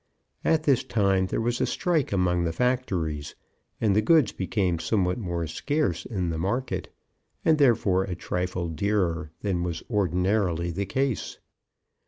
At this time there was a strike among the factories, and the goods became somewhat more scarce in the market, and, therefore, a trifle dearer than was ordinarily the case.